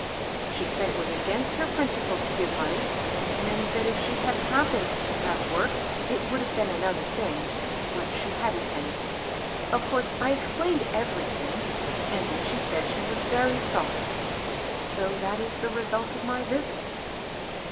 She said it was against her pripci ples to give money ; that if she had happened to DOMESTIC ACCOUNTS. 239 have work, it would have been another thing ; but she hadn't any. Of course, I explained everything, and then she said she was very sorry ; so that is the resiflt of my visit."